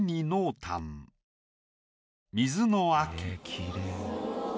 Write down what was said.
きれい。